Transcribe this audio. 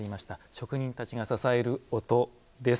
職人たちが支える音です。